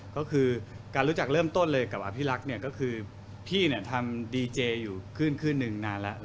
ก็คือการรู้จักเริ่มต้นเลยกับอภิรักษ์เนี่ยก็คือพี่ทำดีเจอยู่ขึ้นหนึ่งนานแล้ว